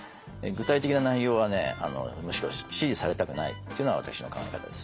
具体的な内容はむしろ指示されたくないっていうのが私の考え方です。